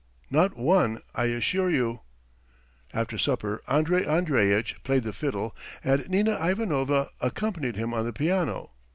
"Not one, I assure you." After supper Andrey Andreitch played the fiddle and Nina Ivanovna accompanied him on the piano.